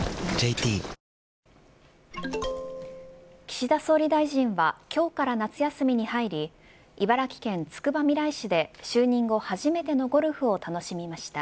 岸田総理大臣は今日から夏休みに入り茨城県つくばみらい市で就任後初めてのゴルフを楽しみました。